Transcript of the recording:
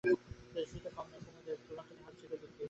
তেজস্বিতা কম নয় কুমুদের, দুরন্ত তাহার চিত্তবৃত্তি।